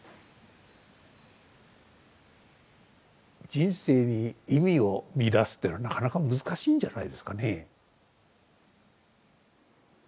人生に意味を見いだすっていうのはなかなか難しいんじゃないですかね。